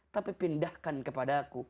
tapi pindahkan kepadanya